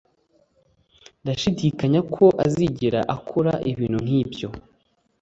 Ndashidikanya ko azigera akora ibintu nkibyo.